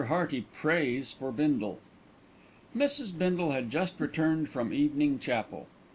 HEARTY PRAYS FOR BINDLE Mrs. Bindle had just returned from evening chapel.